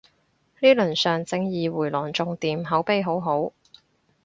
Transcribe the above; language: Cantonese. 呢輪上正義迴廊仲掂，口碑好好